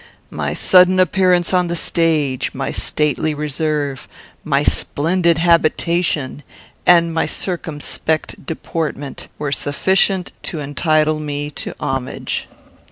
My sudden appearance on the stage, my stately reserve, my splendid habitation, and my circumspect deportment, were sufficient to entitle me to homage.